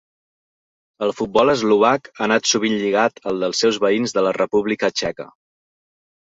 El futbol eslovac ha anat sovint lligat al dels seus veïns de la República Txeca.